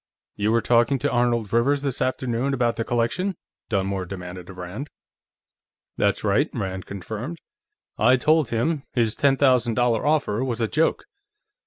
"You were talking to Arnold Rivers, this afternoon, about the collection?" Dunmore demanded of Rand. "That's right," Rand confirmed. "I told him his ten thousand dollar offer was a joke.